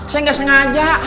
saya gak sengaja